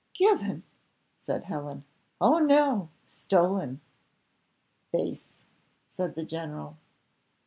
"Given!" said Helen. "Oh no! stolen." "Base!" said the general.